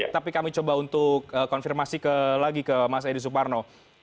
tapi kami coba untuk konfirmasi lagi ke mas edi suparno